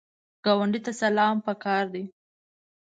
ګاونډي ته سلام پکار دی